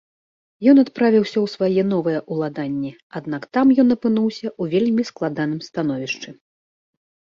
Ён адправіўся ў свае новыя ўладанні, аднак там ён апынуўся ў вельмі складаным становішчы.